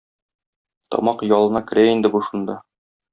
Тамак ялына керә инде бу шунда.